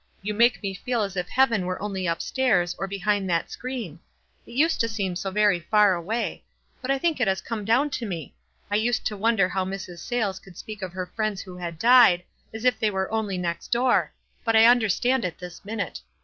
You make me feel as if heaven were only up stairs, or behind that screen. It used to seem so very far away ; but I think it has come down to me. I used to wonder how Mrs. Sayles could speak of her friends who had died, as if they were only next door ; but I understand it this minute.